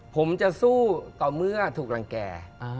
ผมจะสู้ต่อเมื่อถูกรังแก่